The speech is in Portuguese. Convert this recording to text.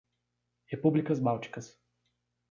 Repúblicas Bálticas